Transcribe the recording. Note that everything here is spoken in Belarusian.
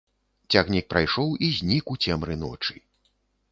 Цягнік прайшоў і знік у цемры ночы.